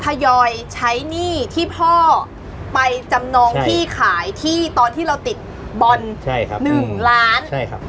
พยอยใช้หนี้ที่พ่อไปจำนองที่ขายที่ตอนที่เราติดบอน๑ล้าน